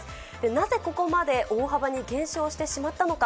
なぜここまで大幅に減少してしまったのか。